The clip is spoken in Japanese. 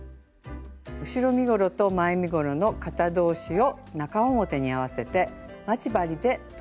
後ろ身ごろと前身ごろの肩同士を中表に合わせて待ち針で留めていきます。